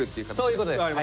そういうことです。